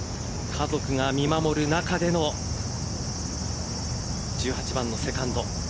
家族が見守る中での１８番のセカンド。